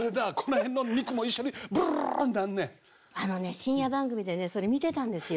あのね深夜番組でねそれ見てたんですよ。